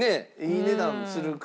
いい値段するから。